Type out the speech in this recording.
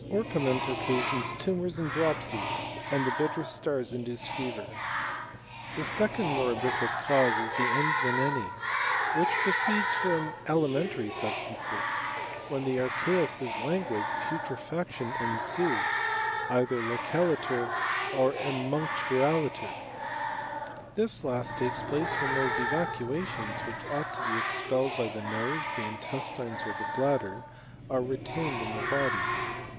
Orpiment occasions tumours and dropsies, and the Intter stars induce fever. The second morbiiBc cause is the ejis veneni, which proceeds from alimentary substances: when the ar cheus is languid putrefaction ensues, either localiter or emuncturaliter. This last takes place when those eva cuations, which ought to be expelled by the nose, the intestines, or the bladder, are retained in the body.